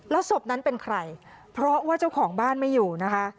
ศพนั้นเป็นใครเพราะว่าเจ้าของบ้านไม่อยู่นะคะ